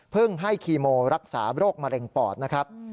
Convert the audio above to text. ให้คีโมรักษาโรคมะเร็งปอดนะครับ